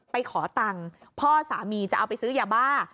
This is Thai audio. ไปขอตังค์พ่อสามีจะเอาไปซื้อยาบ้า